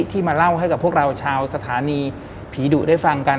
ที่มาเล่าให้กับพวกเราชาวสถานีผีดุได้ฟังกัน